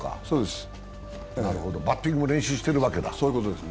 バッティングも練習しているわけだ。